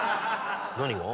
何が？